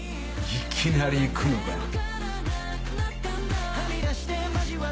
いきなり行くのかよ。